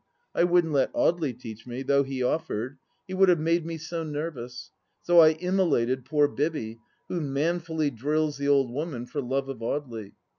I wouldn't let Audely teach me, though he offered : he would have made me so nervous. So I immo lated poor Bibby, who manfully drills the old woman for love of Audely.